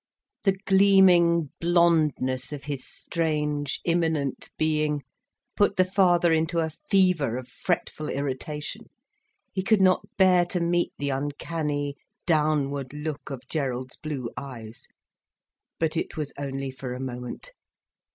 The gleaming blondness of his strange, imminent being put the father into a fever of fretful irritation. He could not bear to meet the uncanny, downward look of Gerald's blue eyes. But it was only for a moment.